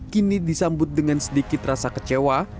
kini disambut dengan sedikit rasa kecewa